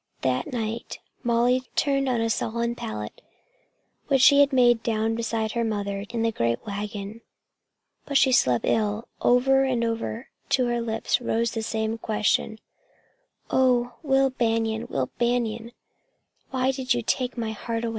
That night Molly turned on a sodden pallet which she had made down beside her mother in the great wagon. But she slept ill. Over and over to her lips rose the same question: "Oh, Will Banion, Will Banion, why did you take away my heart?"